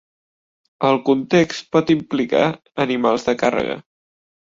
El context pot implicar animals de càrrega.